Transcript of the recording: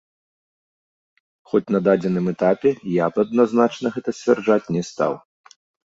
Хоць на дадзеным этапе я б адназначна гэта сцвярджаць не стаў.